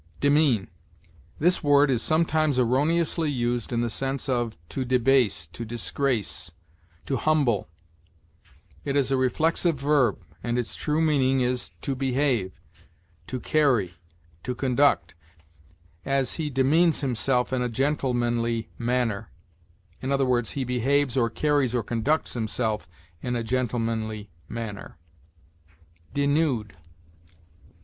DEMEAN. This word is sometimes erroneously used in the sense of to debase, to disgrace, to humble. It is a reflexive verb, and its true meaning is to behave, to carry, to conduct; as, "He demeans himself in a gentlemanly manner," i. e., He behaves, or carries, or conducts, himself in a gentlemanly manner. DENUDE.